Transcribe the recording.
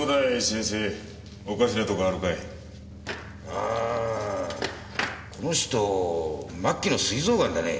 ああこの人末期のすい臓がんだね。